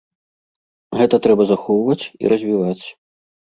Гэта трэба захоўваць і развіваць.